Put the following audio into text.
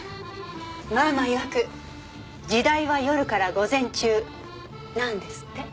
ママいわく「時代は夜から午前中」なんですって。